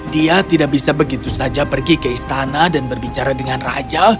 dia tidak bisa begitu saja pergi ke istana dan berbicara dengan raja